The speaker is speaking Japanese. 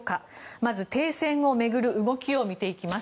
まず、停戦を巡る動きを見ていきます。